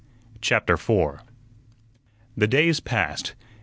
CHAPTER 4 The days passed.